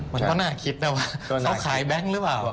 มันก็น่าคิดนะว่าเขาขายแบงค์หรือเปล่า